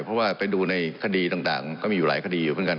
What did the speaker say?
เพราะว่าไปดูในคดีต่างก็มีอยู่หลายคดีอยู่เหมือนกัน